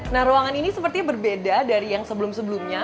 nah ruangan ini sepertinya berbeda dari yang sebelum sebelumnya